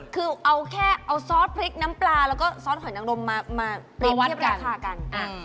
คือเอาแค่เอาซอสพริกน้ำปลาแล้วก็ซอสหอยนางนมมาเปรียบเทียบราคากัน